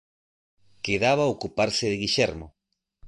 Quedaba ocuparse de Guillermo.